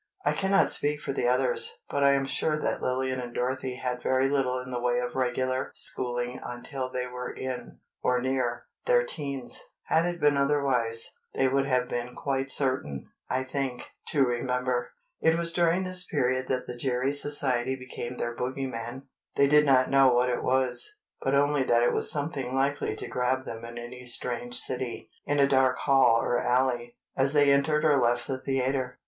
I cannot speak for the others, but I am sure that Lillian and Dorothy had very little in the way of regular schooling until they were in, or near, their 'teens. Had it been otherwise, they would have been quite certain, I think, to remember. It was during this period that the Gerry Society became their bogey man. They did not know what it was, but only that it was something likely to grab them in any strange city, in a dark hall or alley, as they entered or left the theatre.